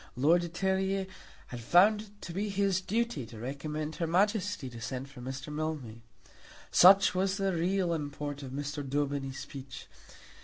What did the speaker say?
Lord de Terrier had found it to be his duty to recommend her Majesty to send for Mr. Mildmay. Such was the real import of Mr. Daubeny's speech.